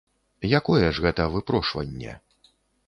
Якое ж гэта выпрошванне!